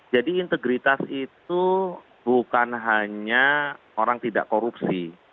jadi integritas itu bukan hanya orang tidak korupsi